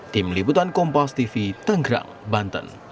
tim liputan kompas tv tenggerang banten